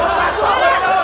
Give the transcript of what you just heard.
gak ada apaan